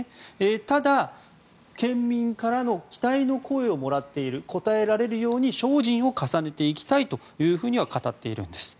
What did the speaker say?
ただ、県民からの期待の声をもらっている応えられるように精進を重ねていきたいとは語っているんです。